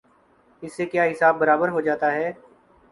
اس سے کیا حساب برابر ہو جاتا ہے؟